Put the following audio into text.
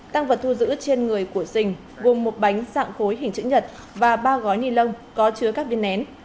tăng vật thu giữ trên người của sình gồm một bánh dạng khối hình chữ nhật và ba gói ni lông có chứa các viên nén